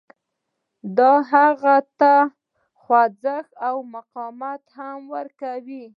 دا هغه ته خوځښت او مقاومت هم ورکوي